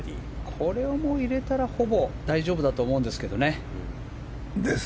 これも入れたらほぼ大丈夫だと思うんですけどね。